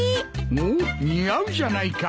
おっ似合うじゃないか。